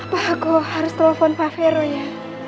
apa aku harus telepon pak fero ya